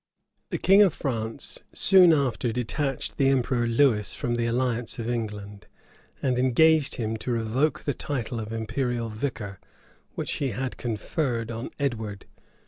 The king of France soon after detached the emperor Lewis from the alliance of England, and engaged him to revoke the title of imperial vicar, which he had conferred on Edward.